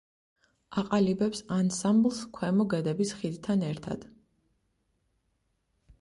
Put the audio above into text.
აყალიბებს ანსამბლს ქვემო გედების ხიდთან ერთად.